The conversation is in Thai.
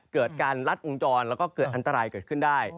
เกิดการลัดวงจรแล้วก็เกิดอันตรายเกิดขึ้นได้